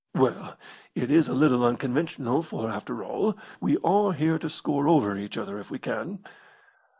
"Well, it is a little unconventional, for, after all, we are here to score over each other if we can.